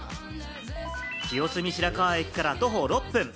清澄白河駅から徒歩６分。